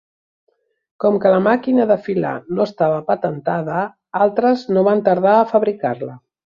Com que la màquina de filar no estava patentada, altres no van tardar a fabricar-la.